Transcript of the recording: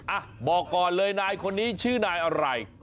อ่ะบอกก่อนเลยนายคนนี้ชื่อนายอะไร